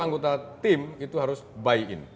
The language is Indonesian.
anggota tim itu harus buy in